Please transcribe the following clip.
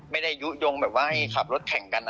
ไม่ได้ยุ่งไม่ได้ยุ่งให้ขับรถแข่งกันอะไรเลย